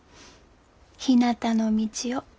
「ひなたの道を」。